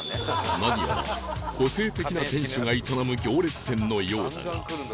何やら個性的な店主が営む行列店のようだが